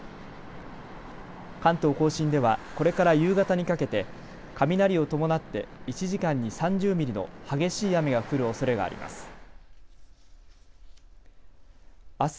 関東甲信ではこれから夕方にかけて雷を伴って１時間に３０ミリの激しい雨が降るおそれがあります。